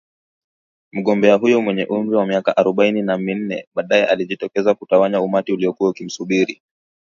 Mgombea huyo mwenye umri wa miaka arobaini na minne, baadae alijitokeza kutawanya umati uliokuwa ukimsubiri